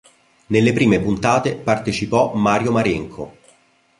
Nelle prime puntate partecipò Mario Marenco.